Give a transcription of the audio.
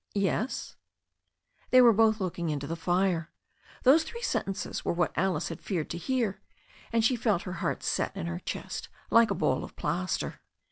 "Yes?" They were both looking into the fire. Those three sen tences were what Alice had feared to hear, and she felt her heart set in her chest like a ball of plaster.